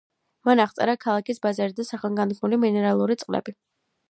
მან აღწერა ქალაქის ბაზარი და სახელგანთქმული მინერალური წყლები.